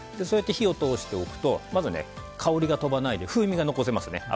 そうやって火を通しておくと香りが飛ばないで風味が残せますね